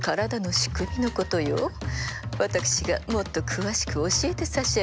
私がもっと詳しく教えてさしあげましょう。